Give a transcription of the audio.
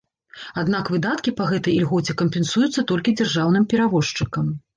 Аднак выдаткі па гэтай ільгоце кампенсуюцца толькі дзяржаўным перавозчыкам.